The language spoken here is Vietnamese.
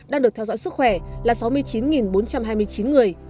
đang được theo dõi sức khỏe là sáu mươi chín bốn trăm hai mươi chín người